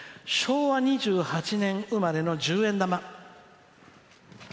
「昭和２８年生まれの十円玉」。